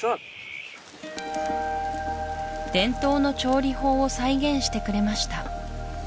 伝統の調理法を再現してくれました